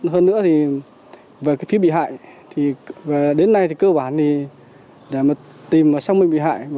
hơn nữa thì về phía bị hại đến nay cơ bản để tìm xong mình bị hại